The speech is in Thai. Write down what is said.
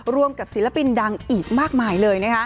รวมกับศิลปินดังอีกมากมายเลย